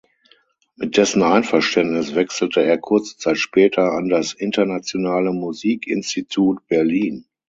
Mit dessen Einverständnis wechselte er kurze Zeit später an das „Internationale Musikinstitut Berlin“.